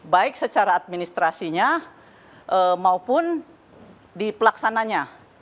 baik secara administrasinya maupun di pelaksananya